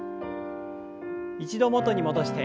一度元に戻して。